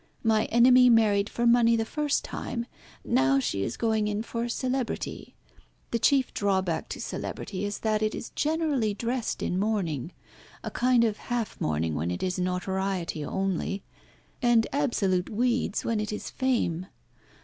My enemy married for money the first time, now she is going in for celebrity. The chief drawback to celebrity is that it is generally dressed in mourning; a kind of half mourning when it is notoriety only, and absolute weeds when it is fame.